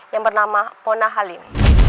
yang bernama pona halim